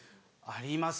あります！